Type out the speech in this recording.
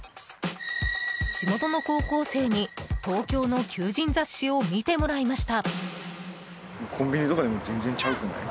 地元の高校生に東京の求人雑誌を見てもらいました。